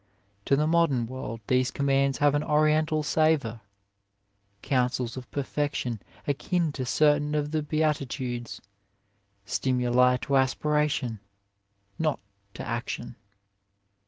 To the modern world these commands have an Oriental savour, coun sels of perfection akin to certain of the Beatitudes, stimuli to aspiration, not to action.